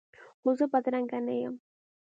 خو زه بدرنګه نه یم